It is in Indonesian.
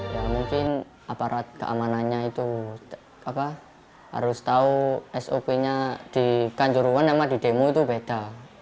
ya mungkin aparat keamanannya itu harus tahu sop nya di kanjuruhan sama di demo itu beda